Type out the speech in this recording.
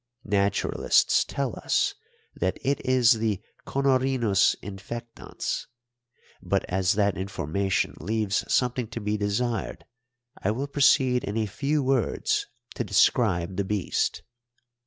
Naturalists tell us that it is the Connorhinus infectans, but, as that information leaves something to be desired, I will proceed in a few words to describe the beast.